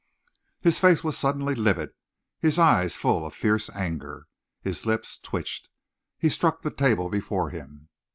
His face was suddenly livid, his eyes full of fierce anger. His lips twitched. He struck the table before him.